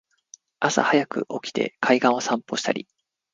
朝はやく起きて海岸を散歩したり